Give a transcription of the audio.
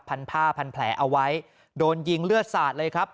ผ้าพันแผลเอาไว้โดนยิงเลือดสาดเลยครับ